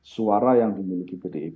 suara yang dimiliki pdip